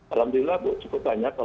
alhamdulillah cukup banyak